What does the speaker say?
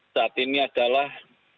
saat ini adalah